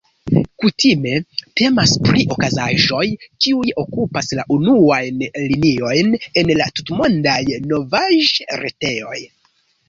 Kutime temas pri okazaĵoj, kiuj okupas la unuajn liniojn en la tutmondaj novaĵretejoj.